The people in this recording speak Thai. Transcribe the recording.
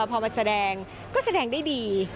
พอมาแสดงก็แสดงได้ดี